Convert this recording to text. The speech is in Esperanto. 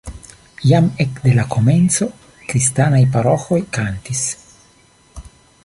Jam ekde la komenco kristanaj paroĥoj kantis.